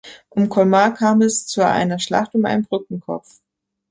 Um Colmar kam es zu einer Schlacht um einen Brückenkopf.